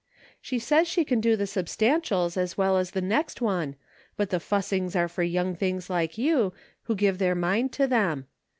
She says she can do the substan tial as well as the next one, but the fussings are for young things like you, who give their mind to them.